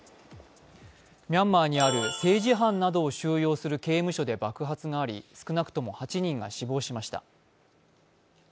ミャンマーにある政治犯などを収容する収容所で爆発があり少なくとも８人が死亡しました。